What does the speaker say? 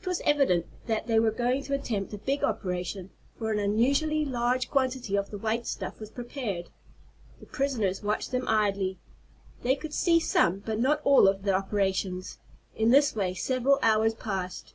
It was evident that they were going to attempt a big operation, for an unusually large quantity of the white stuff was prepared. The prisoners watched them idly. They could see some but not all of the operations. In this way several hours passed.